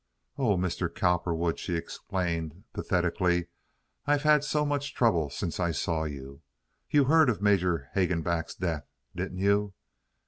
"Oh, Mr. Cowperwood," she explained, pathetically, "I have had so much trouble since I saw you. You heard of Major Hagenback's death, didn't you?"